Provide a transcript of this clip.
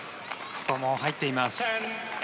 ここも入っています。